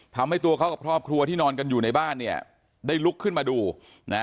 ทำให้ตัวเขากับครอบครัวที่นอนกันอยู่ในบ้านเนี่ยได้ลุกขึ้นมาดูนะ